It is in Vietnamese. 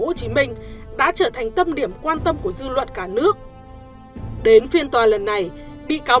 hồ chí minh đã trở thành tâm điểm quan tâm của dư luận cả nước đến phiên tòa lần này bị cáo